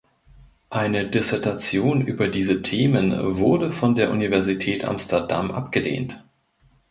Eine Dissertation über diese Themen wurde von der Universität Amsterdam abgelehnt.